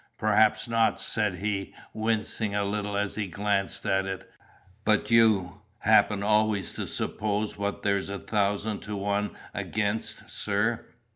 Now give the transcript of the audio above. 'Perhaps not,' said he, wincing a little as he glanced at it; 'but you happen always to suppose what there's a thousand to one against, sir.